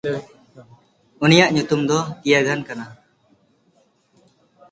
ᱩᱱᱤᱭᱟᱜ ᱧᱩᱛᱩᱢ ᱫᱚ ᱠᱤᱭᱟᱜᱷᱱ ᱠᱟᱱᱟ᱾